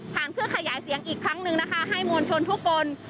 ผ่านเพื่อขยายเสียงอีกครั้งหนึ่งให้มวลชนทุกคน